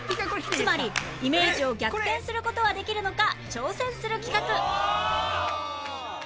つまりイメージを逆転する事はできるのか挑戦する企画